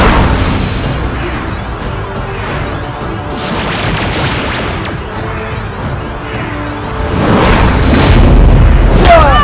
aku tidak percaya